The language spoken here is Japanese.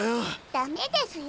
ダメですよ